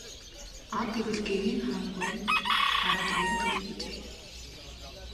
Аа тэгвэл гэгээн хаан гуай нь гараад уяад өгье гэжээ.